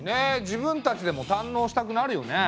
自分たちでも堪能したくなるよね。